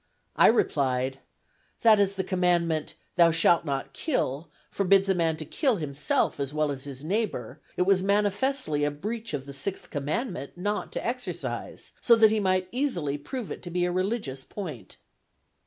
I replied, 'That as the commandment, "thou shalt not kill," forbids a man to kill himself as well as his neighbor, it was manifestly a breach of the sixth commandment not to exercise; so that he might easily prove it to be a religious point.'"